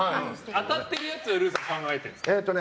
当たってるやつはルーさん考えてるんですか？